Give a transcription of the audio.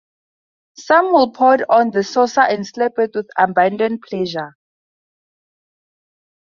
Some will pour it on the saucer and slurp it with abandon pleasure.